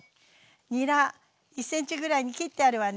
にら１ｃｍぐらいに切ってあるわね。